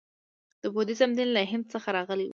د بودیزم دین له هند څخه راغلی و